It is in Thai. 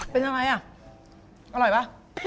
เป็นยังไงอ่ะอร่อยป่ะ